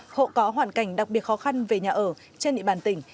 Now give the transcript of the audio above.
hộ có hoàn cảnh đặc biệt khó khăn về nhà ở trên địa bàn tỉnh